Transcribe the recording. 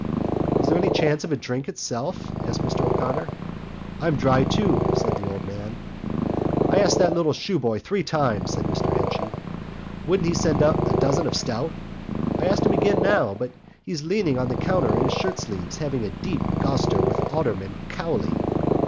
"Is there any chance of a drink itself?" asked Mr O'Connor. "I'm dry too," said the old man. "I asked that little shoeboy three times," said Mr Henchy, "would he send up a dozen of stout. I asked him again now, but he was leaning on the counter in his shirt sleeves having a deep goster with Alderman Cowley."